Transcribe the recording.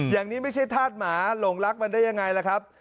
อย่างนี้ไม่ใช่ธาตุหมาหลงรักมันได้ยังไงล่ะครับ